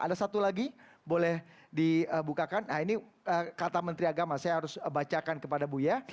ada satu lagi boleh dibukakan nah ini kata menteri agama saya harus bacakan kepada buya